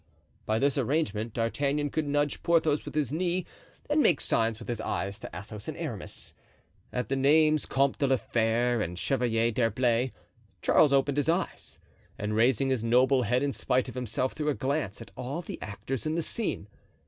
By this arrangement D'Artagnan could nudge Porthos with his knee and make signs with his eyes to Athos and Aramis. At the names Comte de la Fere and Chevalier d'Herblay, Charles opened his eyes, and raising his noble head, in spite of himself, threw a glance at all the actors in the scene.